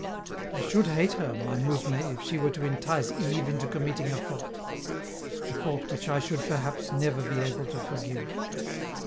I should hate her, my mousme, if she were to entice Yves into committing a fault a fault which I should perhaps never be able to forgive.